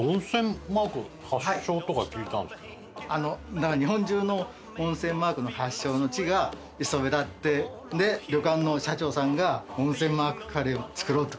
なんか日本中の温泉マークの発祥の地が磯部だってで旅館の社長さんが温泉マークカレーを作ろうって。